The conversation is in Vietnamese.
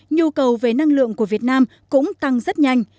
nhu cầu về năng lượng của việt nam cũng tăng rất nhanh